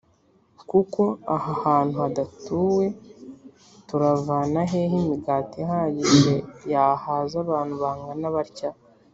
ko aha hantu hadatuwe turavana hehe imigati ihagije yahaza abantu bangana batya?